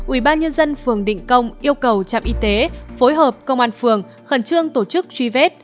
ubnd phường định công yêu cầu trạm y tế phối hợp công an phường khẩn trương tổ chức truy vết